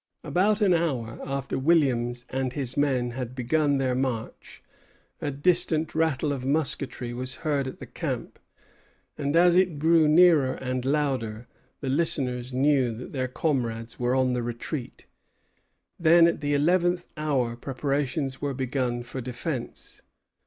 About an hour after Williams and his men had begun their march, a distant rattle of musketry was heard at the camp; and as it grew nearer and louder, the listeners knew that their comrades were on the retreat. Then, at the eleventh hour, preparations were begun for defence.